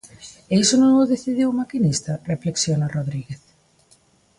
E iso non o decidiu o maquinista, reflexiona Rodríguez.